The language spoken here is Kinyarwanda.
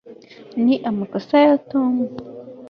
ni amakosa ya tom